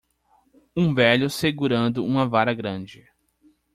Um velho segurando uma vara grande.